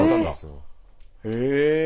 へえ。